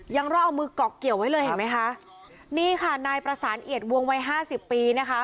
ยังรอดเอามือเกาะเกี่ยวไว้เลยเห็นไหมคะนี่ค่ะนายประสานเอียดวงวัยห้าสิบปีนะคะ